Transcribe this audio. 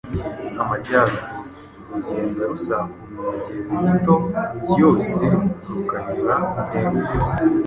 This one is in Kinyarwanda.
Amajyaruguru. Rugenda rusakuma imigezi mito yose, rukanyura m